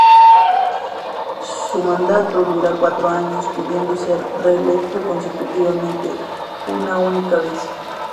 Su mandato dura cuatro años, pudiendo ser reelecto consecutivamente una única vez.